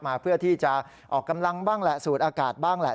เพื่อที่จะออกกำลังบ้างแหละสูดอากาศบ้างแหละ